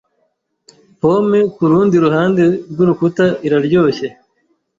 Pome kurundi ruhande rwurukuta iraryoshye.